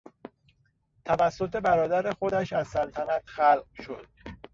توسط برادر خودش از سلطنت خلع شد.